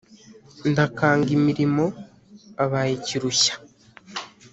ndakanga mirimo abaye ikirushya !»